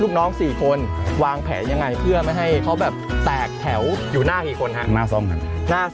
ลูกน้อง๔คนวางแผนยังไงเพื่อไม่ให้เขาแบบแตกแถวอยู่หน้ากี่คนฮะหน้าซ่อมครับ